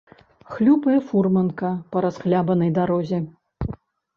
Хлюпае фурманка па расхлябанай дарозе.